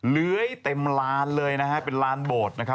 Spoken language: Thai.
เหลื้อยเต็มล้านเลยเป็นล้านโบสถ์